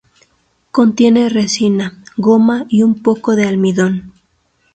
Contiene resina, goma y un poco de almidón.